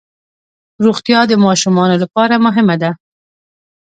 روغتیا د ماشومانو لپاره مهمه ده.